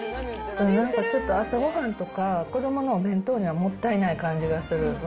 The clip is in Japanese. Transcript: なんかちょっと、朝ごはんとか、子どものお弁当にはもったいない感じがする。